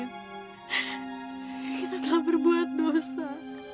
kita telah berbuat dosa